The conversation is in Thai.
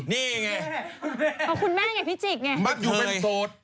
นี่ไงคุณแม่ไงพี่จิกไงไม่เคยมักอยู่เป็นโสด